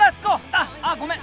あっああごめん！